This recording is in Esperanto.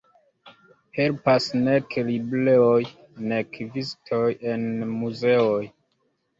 Helpas nek libroj nek vizitoj en muzeoj.